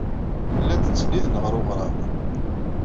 Llant ttsennident ɣer weɣrab.